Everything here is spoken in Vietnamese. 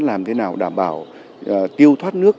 làm thế nào đảm bảo tiêu thoát nước